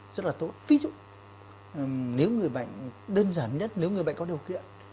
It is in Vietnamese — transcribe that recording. rất là tốt ví dụ nếu người bệnh đơn giản nhất nếu người bệnh có điều kiện